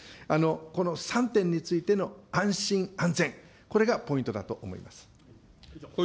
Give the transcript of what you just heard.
この３点についての安心・安全、これがポイントだと思います。